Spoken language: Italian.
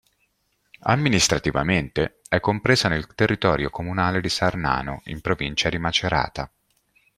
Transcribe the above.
Amministrativamente è compresa nel territorio comunale di Sarnano, in provincia di Macerata.